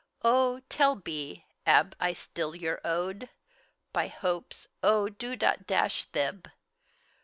Oh! tell be, ab I sdill your owd? By hopes oh, do dot dash theb!